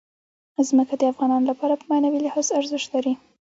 ځمکه د افغانانو لپاره په معنوي لحاظ ارزښت لري.